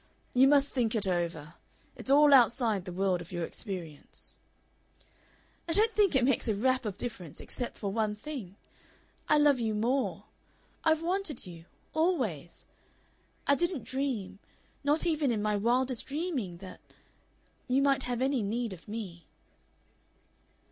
You must think it over. It's all outside the world of your experience." "I don't think it makes a rap of difference, except for one thing. I love you more. I've wanted you always. I didn't dream, not even in my wildest dreaming, that you might have any need of me."